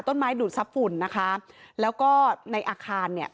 ต้นไม้ดูดซับฝุ่นนะคะแล้วก็ในอาคารเนี่ย